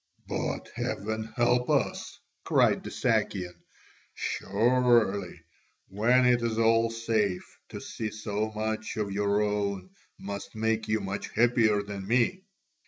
"But Heaven help us!" cried the Sakian, "surely, when it is all safe, to see so much of your own must make you much happier than me?"